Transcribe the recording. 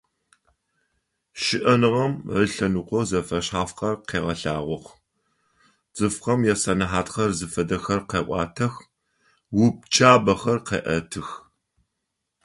ЩыӀэныгъэм ылъэныкъо зэфэшъхьафхэр къегъэлъагъох, цӀыфхэм ясэнэхьатхэр зыфэдэхэр къеӀуатэх, упчӀабэхэр къеӀэтых.